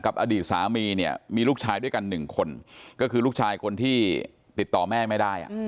อดีตสามีเนี่ยมีลูกชายด้วยกันหนึ่งคนก็คือลูกชายคนที่ติดต่อแม่ไม่ได้